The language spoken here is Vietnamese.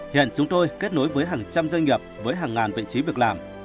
hiện chúng tôi kết nối với hàng trăm doanh nghiệp với hàng ngàn vị trí việc làm